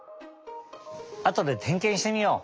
あとでてんけんしてみよう！